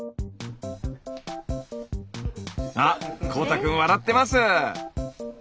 あっ幸大くん笑ってます。